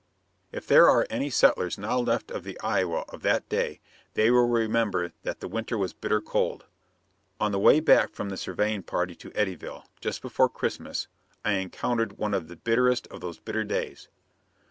If there are any settlers now left of the Iowa of that day, they will remember that the winter was bitter cold. On the way back from the surveying party to Eddyville, just before Christmas, I encountered one of the bitterest of those bitter days.